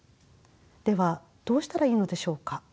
ではどうしたらいいのでしょうか。